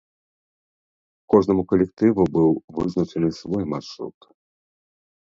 Кожнаму калектыву быў вызначаны свой маршрут.